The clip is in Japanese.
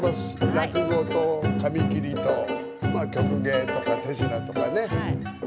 落語と紙切りと曲芸とか手品とかね